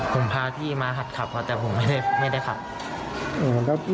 ผมพาพี่มาหัดขับครับแต่ผมไม่ได้ขับ